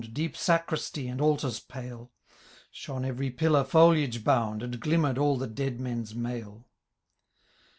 Deep aacristy^ and altar^s pale ; Shone every pillar foliage bound. And glunmer^d all the dead men's mail.'